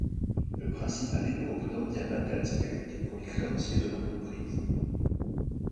Le principal est de représenter un matelas de sécurité pour les créanciers de l'entreprise.